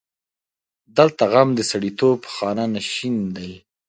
دلته غم د سړیتوب خانه نشین دی.